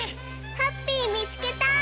ハッピーみつけた！